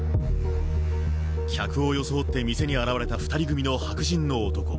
客を装って店に現れた白人の男。